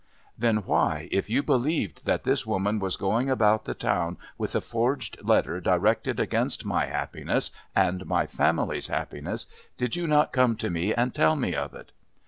"Then why, if you believed that this woman was going about the town with a forged letter directed against my happiness and my family's happiness, did you not come to me and tell me of it?"